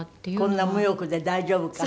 こんな無欲で大丈夫か？